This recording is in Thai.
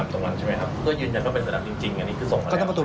ที่อ้านเขาเป็นเสือดำตรงนั้นใช่ไหมครับ